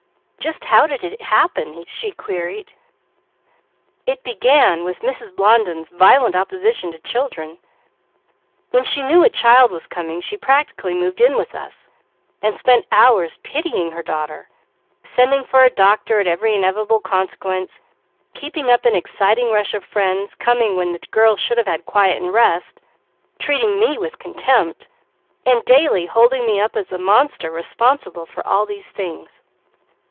"Just how did it happen?" she queried. "It began with Mrs. Blondon's violent opposition to children; when she knew a child was coming she practically moved in with us, and spent hours pitying her daughter, sending for a doctor at each inevitable consequence, keeping up an exciting rush of friends coming when the girl should have had quiet and rest, treating me with contempt, and daily holding me up as the monster responsible for all these things.